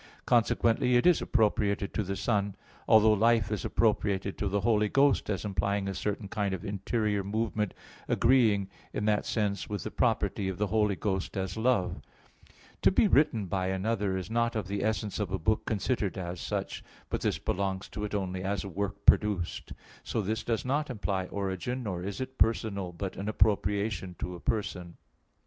Consequently, it is appropriated to the Son; although life is appropriated to the Holy Ghost, as implying a certain kind of interior movement, agreeing in that sense with the property of the Holy Ghost as Love. To be written by another is not of the essence of a book considered as such; but this belongs to it only as a work produced. So this does not imply origin; nor is it personal, but an appropriation to a person.